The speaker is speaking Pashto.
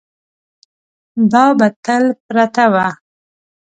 دا به تل پرته وه.